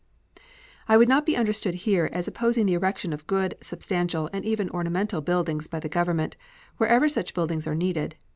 I would not be understood here as opposing the erection of good, substantial, and even ornamental buildings by the Government wherever such buildings are needed.